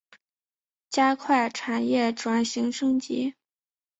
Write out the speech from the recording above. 加快产业转型升级